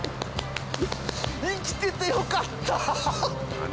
生きててよかった！